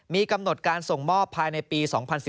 มีกำหนดการส่งมอบภายในปี๒๐๑๙